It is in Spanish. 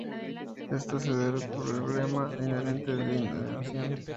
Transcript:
Esto se debe al problema inherente de anidación.